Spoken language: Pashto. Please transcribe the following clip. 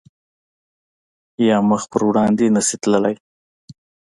یا مخ په وړاندې نه شی تللی